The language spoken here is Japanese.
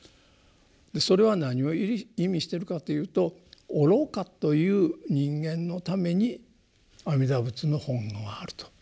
それは何を意味してるかというと愚かという人間のために阿弥陀仏の本願はあると。